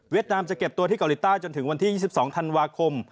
นามจะเก็บตัวที่เกาหลีใต้จนถึงวันที่๒๒ธันวาคม